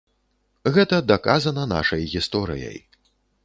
Гэта даказана нашай гісторыяй.